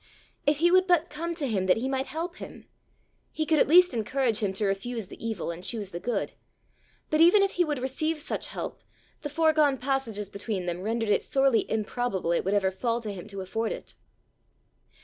If he would but come to him that he might help him! He could at least encourage him to refuse the evil and choose the good! But even if he would receive such help, the foregone passages between them rendered it sorely improbable it would ever fall to him to afford it!